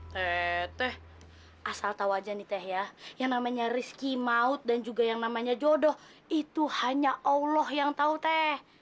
teteh asal tau aja nih teh ya yang namanya rizky maut dan juga yang namanya jodoh itu hanya allah yang tau teh